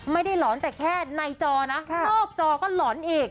ไม่ได้หลอนแต่แค่ในจอนะรอบจอก็หลอนอีก